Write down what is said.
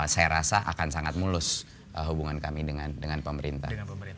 saya rasa akan sangat mulus hubungan kami dengan pemerintah